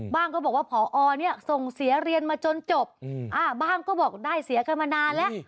ก็บอกว่าพอเนี่ยส่งเสียเรียนมาจนจบบ้างก็บอกได้เสียกันมานานแล้ว